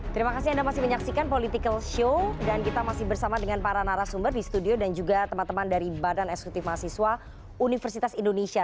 terima kasih anda masih menyaksikan political show dan kita masih bersama dengan para narasumber di studio dan juga teman teman dari badan eksekutif mahasiswa universitas indonesia